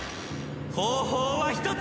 方法は１つ！